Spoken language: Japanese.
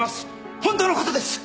本当のことです！